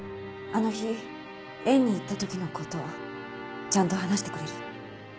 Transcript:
あの日縁に行った時の事ちゃんと話してくれる？